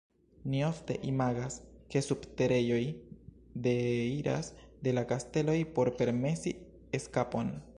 Ni ofte imagas, ke subterejoj deiras de la kasteloj por permesi eskapon.